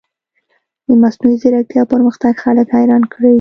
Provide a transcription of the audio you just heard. د مصنوعي ځیرکتیا پرمختګ خلک حیران کړي.